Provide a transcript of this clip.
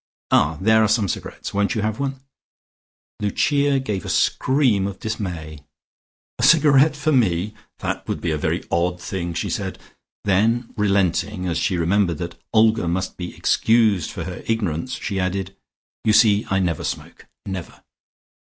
Ah, there are some cigarettes. Won't you have one?" Lucia gave a little scream of dismay. "A cigarette for me? That would be a very odd thing," she said. Then relenting, as she remembered that Olga must be excused for her ignorance, she added: "You see I never smoke. Never."